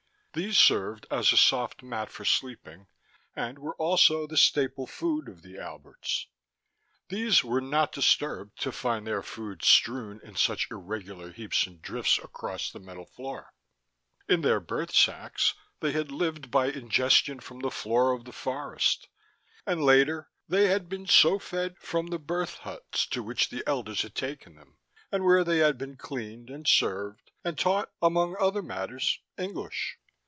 These served as a soft mat for sleeping, and were also the staple food of the Alberts. These were not disturbed to find their food strewn in such irregular heaps and drifts across the metal floor: in their birth sacs, they had lived by ingestion from the floor of the forest, and, later, they had been so fed in the Birth Huts to which the Elders had taken them, and where they had been cleaned and served and taught, among other matters, English.